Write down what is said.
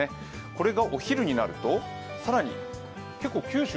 これがお昼になると更に結構、九州